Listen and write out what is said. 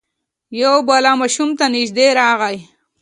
یو بلا ماشوم ته نژدې راغی.